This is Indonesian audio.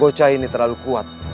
bocah ini terlalu kuat